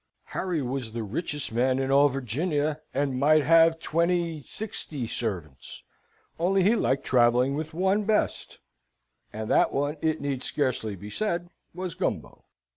Of course, Master Harry was the richest man in all Virginia, and might have twenty sixty servants; only he liked travelling with one best, and that one, it need scarcely be said, was Gumbo.